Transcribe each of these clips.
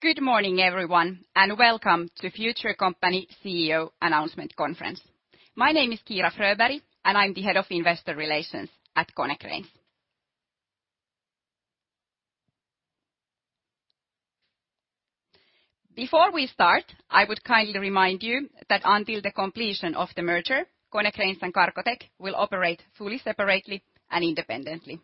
Good morning, everyone, welcome to Future Company CEO Announcement Conference. My name is Kiira Fröberg, and I'm the Head of Investor Relations at Konecranes. Before we start, I would kindly remind you that until the completion of the merger, Konecranes and Cargotec will operate fully separately and independently.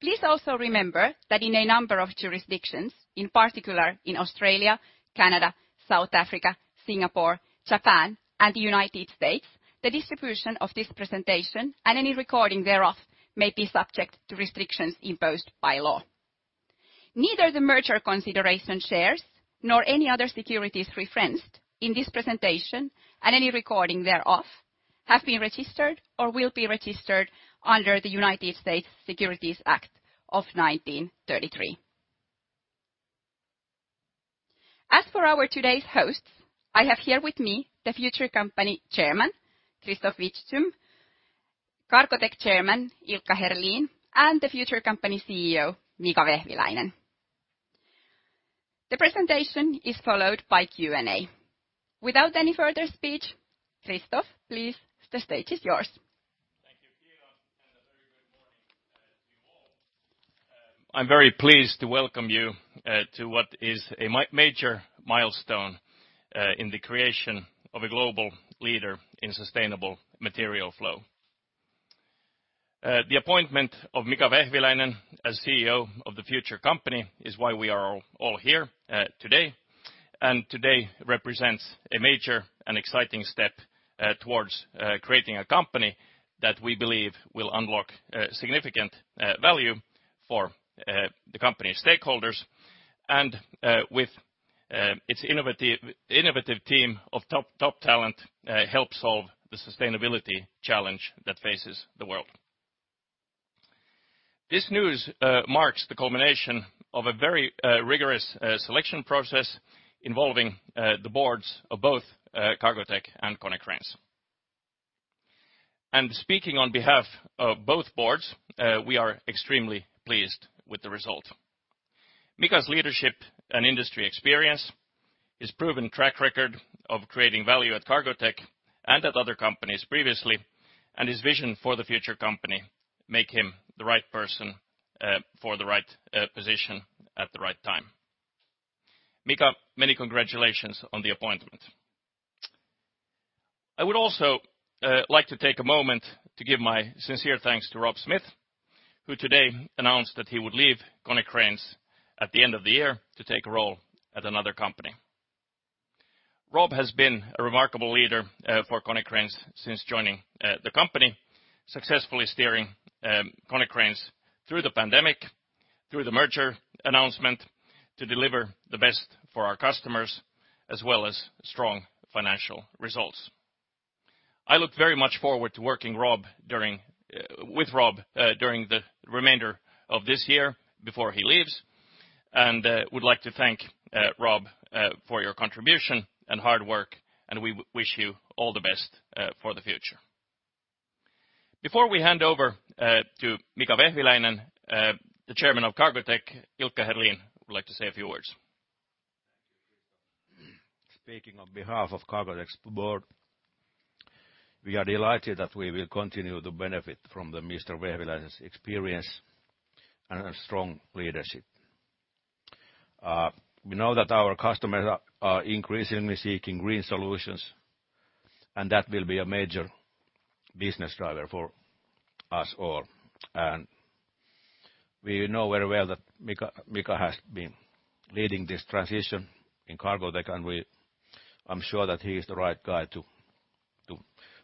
Please also remember that in a number of jurisdictions, in particular in Australia, Canada, South Africa, Singapore, Japan, and the U.S., the distribution of this presentation and any recording thereof may be subject to restrictions imposed by law. Neither the merger consideration shares nor any other securities referenced in this presentation and any recording thereof have been registered or will be registered under the United States Securities Act of 1933. As for our today's hosts, I have here with me the Future Company Chairman, Christoph Vitzthum, Cargotec Chairman, Ilkka Herlin, and the Future Company's CEO, Mika Vehviläinen. The presentation is followed by Q&A. Without any further speech, Christoph, please, the stage is yours. Thank you, Kiira, and a very good morning to you all. I'm very pleased to welcome you to what is a major milestone in the creation of a global leader in sustainable material flow. The appointment of Mika Vehviläinen as CEO of the Future Company is why we are all here today. Today represents a major and exciting step towards creating a company that we believe will unlock significant value for the company stakeholders, and with its innovative team of top talent, help solve the sustainability challenge that faces the world. This news marks the culmination of a very rigorous selection process involving the boards of both Cargotec and Konecranes. Speaking on behalf of both boards, we are extremely pleased with the result. Mika's leadership and industry experience, his proven track record of creating value at Cargotec and at other companies previously, and his vision for the Future Company make him the right person for the right position at the right time. Mika, many congratulations on the appointment. I would also like to take a moment to give my sincere thanks to Rob Smith, who today announced that he would leave Konecranes at the end of the year to take a role at another company. Rob has been a remarkable leader for Konecranes since joining the company, successfully steering Konecranes through the pandemic, through the merger announcement to deliver the best for our customers, as well as strong financial results. I look very much forward to working with Rob during the remainder of this year before he leaves, and would like to thank Rob for your contribution and hard work, and we wish you all the best for the future. Before we hand over to Mika Vehviläinen, the Chairman of Cargotec, Ilkka Herlin would like to say a few words. Thank you, Christoph. Speaking on behalf of Cargotec's board, we are delighted that we will continue to benefit from Mr. Vehviläinen's experience and strong leadership. We know that our customers are increasingly seeking green solutions, and that will be a major business driver for us all. We know very well that Mika has been leading this transition in Cargotec, and I'm sure that he is the right guy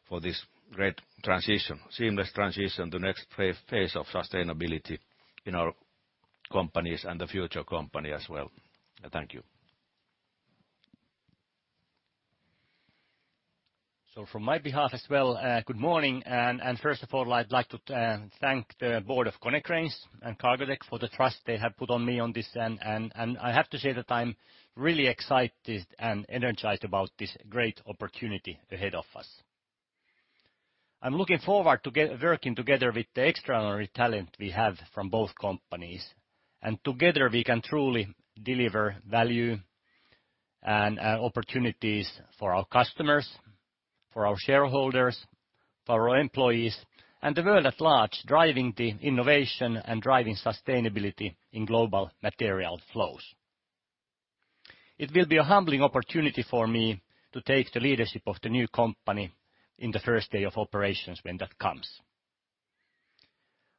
for this great transition, seamless transition to next phase of sustainability in our companies and the Future Company as well. Thank you. From my behalf as well, good morning. First of all, I'd like to thank the board of Konecranes and Cargotec for the trust they have put on me on this. I have to say that I'm really excited and energized about this great opportunity ahead of us. I'm looking forward to working together with the extraordinary talent we have from both companies. Together, we can truly deliver value and opportunities for our customers, for our shareholders, for our employees, and the world at large, driving the innovation and driving sustainability in global material flows. It will be a humbling opportunity for me to take the leadership of the new company in the first day of operations when that comes.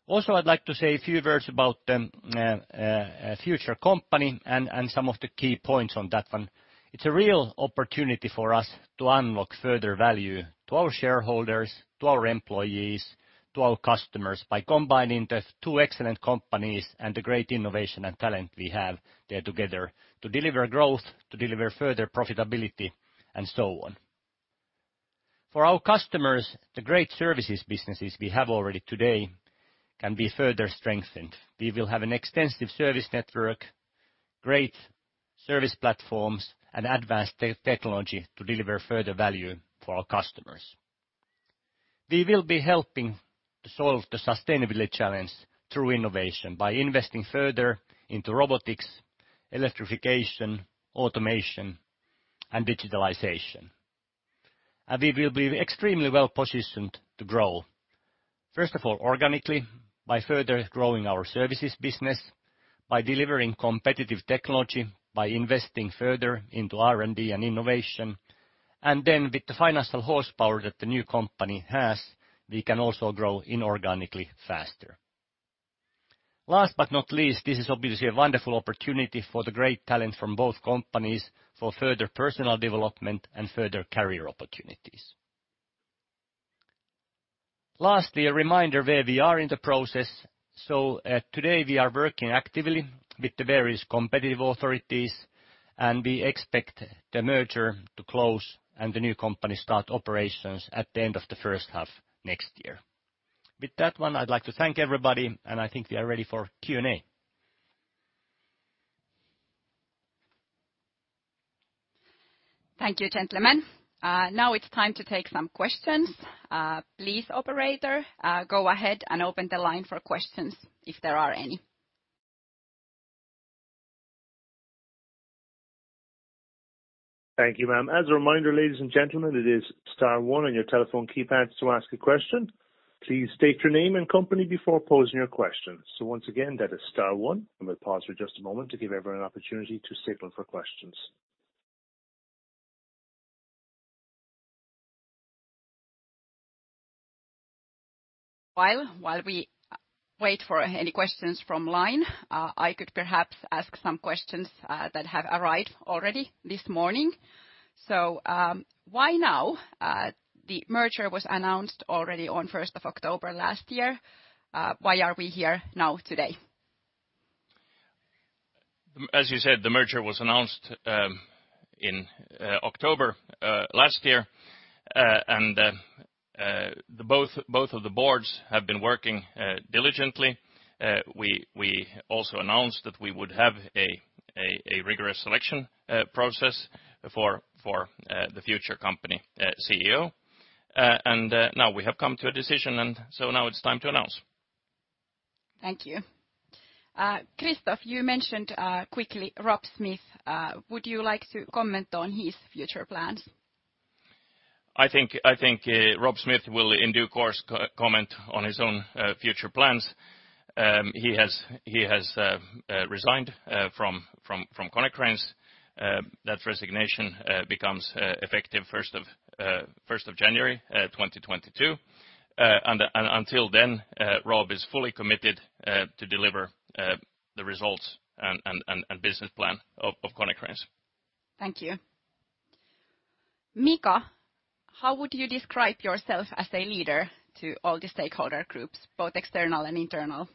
Also, I'd like to say a few words about The Future Company and some of the key points on that one. It's a real opportunity for us to unlock further value to our shareholders, to our employees, to our customers by combining the two excellent companies and the great innovation and talent we have there together to deliver growth, to deliver further profitability, and so on. For our customers, the great services businesses we have already today can be further strengthened. We will have an extensive service network, great service platforms, and advanced technology to deliver further value for our customers. We will be helping to solve the sustainability challenge through innovation by investing further into robotics, electrification, automation, and digitalization. We will be extremely well-positioned to grow, first of all organically by further growing our services business, by delivering competitive technology, by investing further into R&D and innovation. With the financial horsepower that the new company has, we can also grow inorganically faster. Last but not least, this is obviously a wonderful opportunity for the great talent from both companies for further personal development and further career opportunities. Lastly, a reminder where we are in the process. Today we are working actively with the various competitive authorities, and we expect the merger to close and the new company start operations at the end of the first half next year. With that one, I'd like to thank everybody, and I think we are ready for Q&A. Thank you, gentlemen. Now it's time to take some questions. Please, operator, go ahead and open the line for questions, if there are any. Thank you, ma'am. As a reminder, ladies and gentlemen, it is star one on your telephone keypads to ask a question. Please state your name and company before posing your question. Once again, that is star one. I'm going to pause for just a moment to give everyone an opportunity to settle for questions. While we wait for any questions from line, I could perhaps ask some questions that have arrived already this morning. Why now? The merger was announced already on 1st of October last year. Why are we here now today? As you said, the merger was announced in October last year. Both of the boards have been working diligently. We also announced that we would have a rigorous selection process for The Future Company CEO. Now we have come to a decision, and so now it's time to announce. Thank you. Christoph, you mentioned quickly Rob Smith. Would you like to comment on his future plans? I think Rob Smith will, in due course, comment on his own future plans. He has resigned from Konecranes. That resignation becomes effective 1st of January 2022. Until then, Rob is fully committed to deliver the results and business plan of Konecranes. Thank you. Mika, how would you describe yourself as a leader to all the stakeholder groups, both external and internal?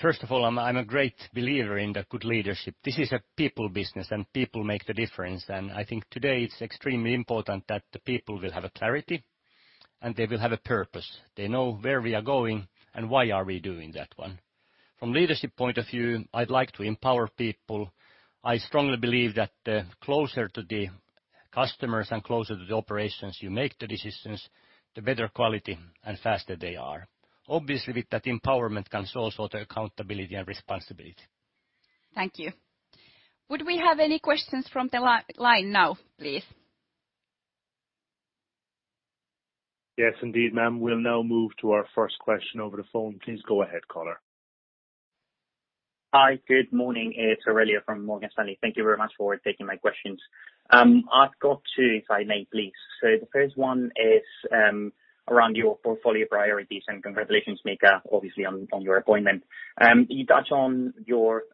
First of all, I'm a great believer in the good leadership. This is a people business, and people make the difference. I think today it's extremely important that the people will have a clarity and they will have a purpose. They know where we are going and why are we doing that one. From leadership point of view, I'd like to empower people. I strongly believe that the closer to the customers and closer to the operations you make the decisions, the better quality and faster they are. Obviously, with that empowerment comes also the accountability and responsibility. Thank you. Would we have any questions from the line now, please? Yes, indeed, ma'am. We'll now move to our first question over the phone. Please go ahead, caller. Hi. Good morning. It's Aurelio from Morgan Stanley. Thank you very much for taking my questions. I've got two, if I may, please. The first one is around your portfolio priorities. Congratulations, Mika, obviously on your appointment. You touch on your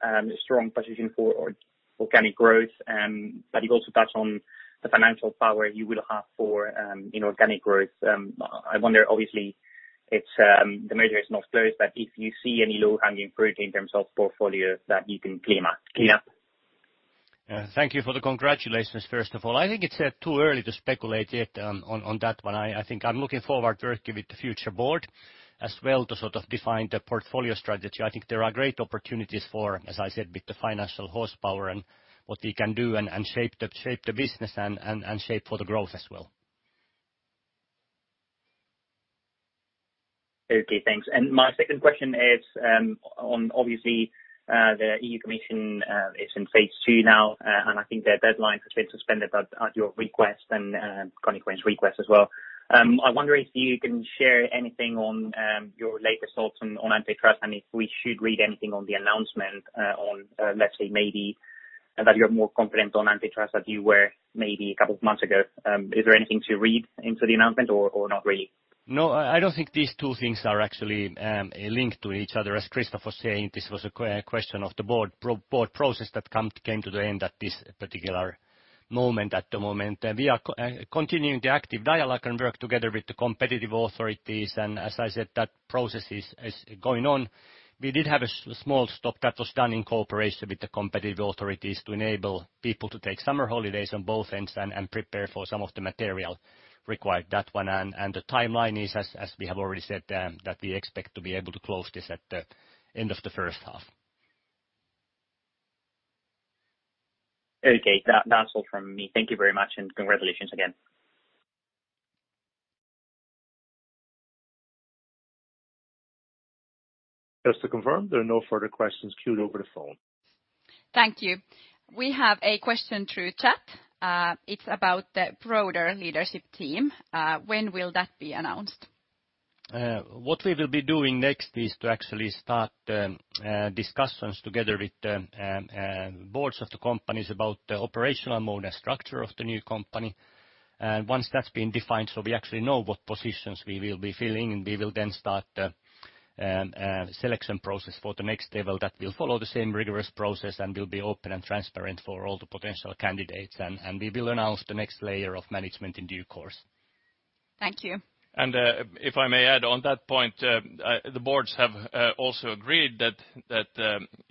strong position for organic growth. You also touch on the financial power you will have for inorganic growth. I wonder, obviously the merger is not closed. If you see any low-hanging fruit in terms of portfolio that you can clean up. Thank you for the congratulations, first of all. I think it's too early to speculate yet on that one. I think I'm looking forward to working with the Future board as well to sort of define the portfolio strategy. I think there are great opportunities for, as I said, with the financial horsepower and what we can do and shape the business and shape for the growth as well. Okay, thanks. My second question is on obviously the EU Commission is in Phase II now. I think their deadline has been suspended at your request and Konecranes' request as well. I wonder if you can share anything on your latest thoughts on antitrust and if we should read anything on the announcement on, let's say maybe that you're more confident on antitrust as you were maybe a couple of months ago. Is there anything to read into the announcement or not really? No, I don't think these two things are actually linked to each other. As Christoph was saying, this was a question of the board process that came to the end at this particular moment, at the moment. We are continuing the active dialogue and work together with the competitive authorities. As I said, that process is going on. We did have a small stop that was done in cooperation with the competitive authorities to enable people to take summer holidays on both ends and prepare for some of the material required that one. The timeline is, as we have already said, that we expect to be able to close this at the end of the first half. Okay. That's all from me. Thank you very much, and congratulations again. Just to confirm, there are no further questions queued over the phone. Thank you. We have a question through chat. It's about the broader leadership team. When will that be announced? What we will be doing next is to actually start discussions together with the boards of the companies about the operational mode and structure of the new company. Once that's been defined, so we actually know what positions we will be filling, we will then start the selection process for the next level that will follow the same rigorous process and will be open and transparent for all the potential candidates. We will announce the next layer of management in due course. Thank you. If I may add on that point, the boards have also agreed that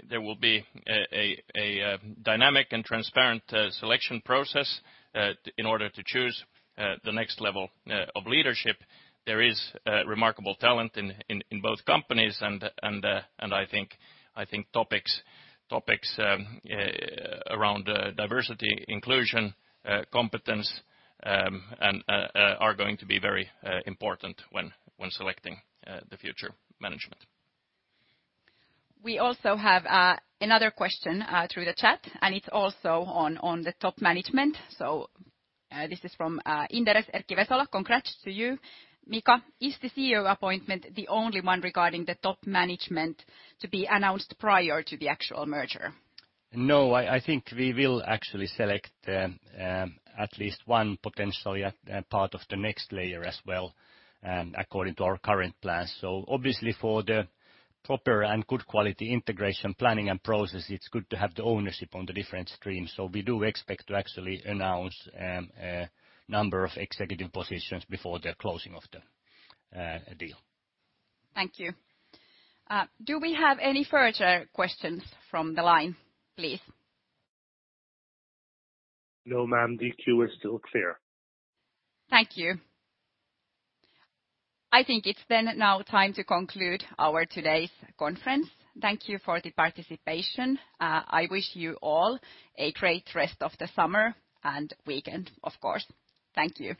there will be a dynamic and transparent selection process in order to choose the next level of leadership. There is remarkable talent in both companies, and I think topics around diversity, inclusion, competence are going to be very important when selecting the future management. We also have another question through the chat. It's also on the top management. This is from Inderes Erkki Vesola. Congrats to you, Mika. Is the CEO appointment the only one regarding the top management to be announced prior to the actual merger? I think we will actually select at least one potential part of the next layer as well, according to our current plan. Obviously for the proper and good quality integration planning and process, it's good to have the ownership on the different streams. We do expect to actually announce a number of executive positions before the closing of the deal. Thank you. Do we have any further questions from the line, please? No, ma'am, the queue is still clear. Thank you. I think it's then now time to conclude our today's conference. Thank you for the participation. I wish you all a great rest of the summer and weekend, of course. Thank you.